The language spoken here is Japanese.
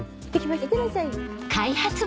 いってらっしゃい。